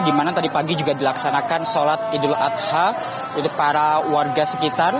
di mana tadi pagi juga dilaksanakan sholat idul adha untuk para warga sekitar